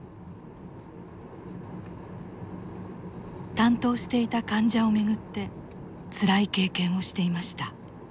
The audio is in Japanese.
担当していた患者を巡ってつらい経験をしていました。